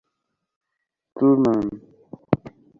truman